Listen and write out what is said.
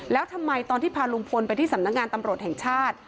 แล้วทำไมตอนที่พาลุงพลไปที่สำนักงานตำรวจแห่งชาติ